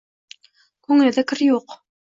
Ko`nglida kiri yo`q